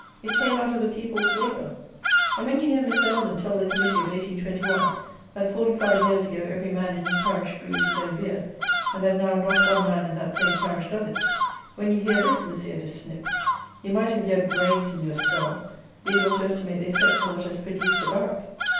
It came out of the people's labour; and, when you hear Mr. Ellman tell the Committee of 1821, that forty five years ago every man in his parish brewed his own beer, and that now not one man in that same parish does it; when you hear this, Monsieur de Snip, you might, if you had brains in your skull, be able to estimate the effects of what has produced the barrack.